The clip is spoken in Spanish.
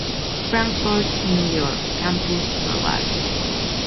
Frankfurt, New York: Campus Verlag.